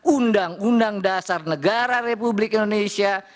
undang undang dasar negara republik indonesia